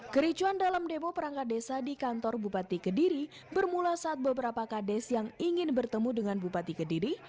kericuan dalam demo perangkat desa di kantor bupati kediri bermula saat beberapa kades yang ingin bertemu dengan bupati kediri